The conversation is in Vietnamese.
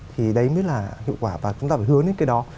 thì đấy mới là hiệu quả và chúng ta phải hướng đến cái đó